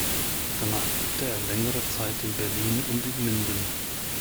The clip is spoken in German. Danach lebte er längere Zeit in Berlin und in Minden.